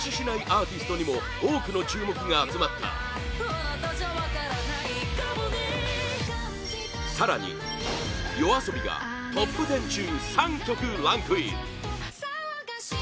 アーティストにも多くの注目が集まった更に、ＹＯＡＳＯＢＩがトップ１０中３曲ランクイン